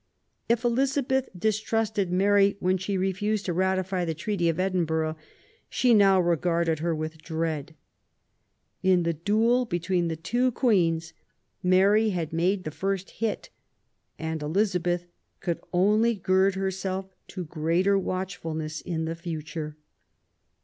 If Elizabeth distrusted Mary when she refused to ratify the Treaty of Edinburgh, she now regarded her with dread. In the duel between the two Queens, Mary had made the first hit ; and Elizabeth could only gird herself to greater watchfulness in the future.